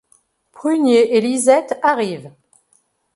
Prunier et Lisette arrivent.